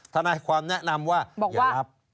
ทนายความแนะนำว่าอย่ารับ